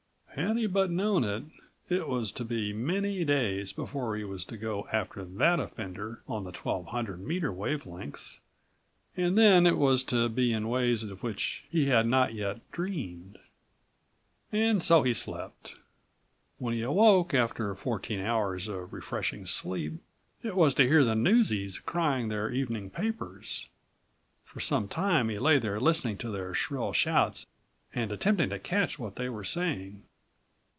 Had he but known it, it was to be many days before he was to go after that offender on the 1200 meter wave lengths and then it was to be in ways of which he had not yet dreamed. And so he slept. When he awoke after fourteen hours of refreshing sleep, it was to hear the newsies crying their evening papers. For some time he lay79 there listening to their shrill shouts and attempting to catch what they were saying.